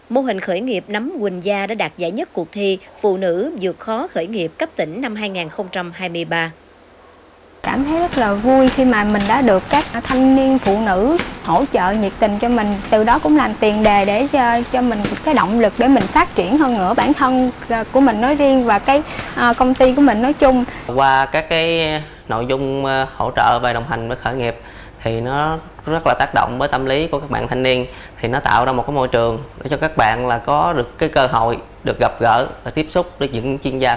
mô hình khởi nghiệp nắm quỳnh gia đã đạt giải nhất cuộc thi phụ nữ dược khó khởi nghiệp cấp tỉnh